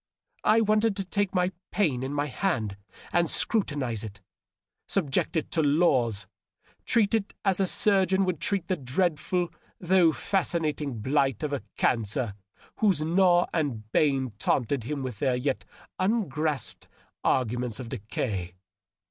I wanted to take my pain in my hand and scrutinize it, subject it to laws, treat it as a surgeon would treat the dreadful though fascinating blight of a cancer whose gnaw and bane taunted him with their yet ungrasped ar guments of decay.